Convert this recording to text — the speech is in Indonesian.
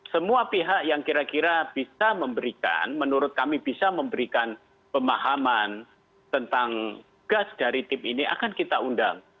semua pihak yang kira kira bisa memberikan menurut kami bisa memberikan pemahaman tentang gas dari tim ini akan kita undang